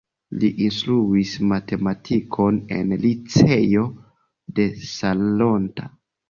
Li instruis matematikon en liceo de Salonta.